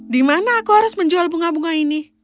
di mana aku harus menjual bunga bunga ini